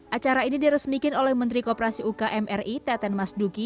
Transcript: acara ini diresmikan oleh menteri kooperasi ukm ri teten mas duki